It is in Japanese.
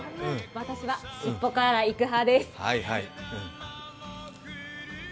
私はしっぽからいく派です。